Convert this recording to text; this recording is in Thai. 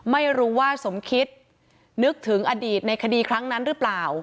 ไม่รู้ว่าสมคิดนึกถึงอดีตในคดีครั้งนั้นหรือเปล่า